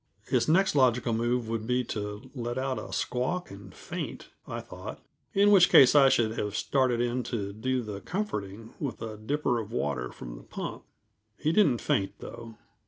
His next logical move would be to let out a squawk and faint, I thought; in which case I should have started in to do the comforting, with a dipper of water from the pump. He didn't faint, though.